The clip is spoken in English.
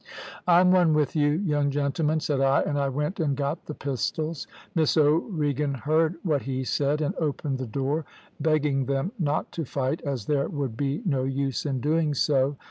"`I'm one with you, young gentlemen,' said I, and I went and got the pistols. Miss O'Regan heard what he said and opened the door, begging them not to fight, as there would be no use in doing so.